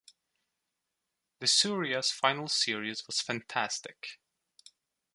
Licuria's final series was fantastic.